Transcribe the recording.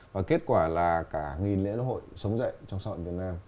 và kết quả là cả nghìn lễ hội sống dậy trong xã hội việt nam